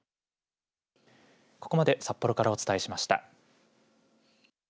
ここまで札幌からお伝えしました。